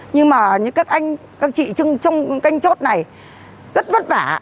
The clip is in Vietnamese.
nhưng mà các anh các chị trong canh chốt này rất vất vả